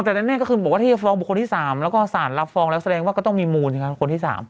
แต่แน่ก็คือที่ฟองคนที่๓แล้วก็สารรับฟองแล้วแสดงว่าก็ต้องมีมูลคนที่๓